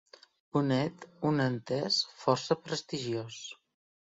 Bonet, un entès força prestigiós.